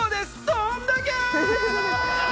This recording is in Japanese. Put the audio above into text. どんだけ！